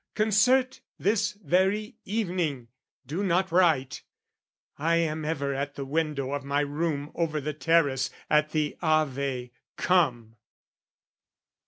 "Concert this very evening! Do not write! "I am ever at the window of my room "Over the terrace, at the Ave. Come!"